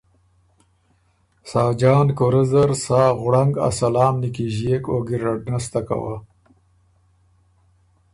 ساجان کُورۀ زر سال غوړنګ ا سلام نیکیݫیېک او ګېرډ نستکه وه ګۀ۔